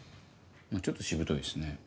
ちょっとしぶといですね。